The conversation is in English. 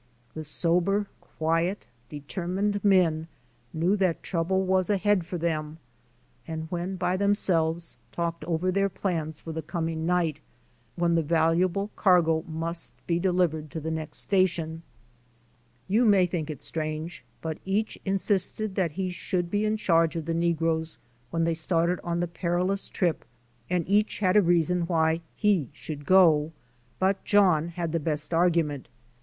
The sober, quiet, determined men knew that trouble was ahead of them and when by them selves talked over their plans for the coming night when the valuable cargo must be delivered to the next station. You may think it strange but each insisted that he should be in charge of the negroes when they started on the perilous trip and each had a good reason why he should go but John had the best argument.